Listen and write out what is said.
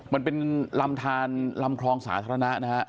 มันเป็นลำทานลำคลองสาธารณะนะฮะ